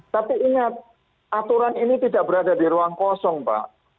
tapi ingat aturan ini tidak berada di ruang kosong pak